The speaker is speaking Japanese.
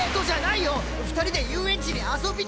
２人で遊園地に遊びに行くだけ！